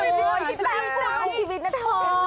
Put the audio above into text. ฉันแปลงกวนในชีวิตนะเธอ